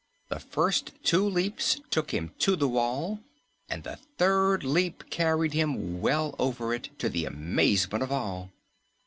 The first two leaps took him to the wall, and the third leap carried him well over it, to the amazement of all.